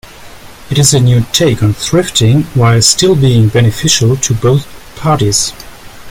It is a new take on thrifting while still being beneficial to both parties.